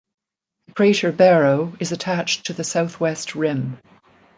The crater Barrow is attached to the southwest rim.